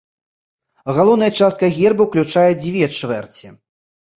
Галоўная частка герба ўключае дзве чвэрці.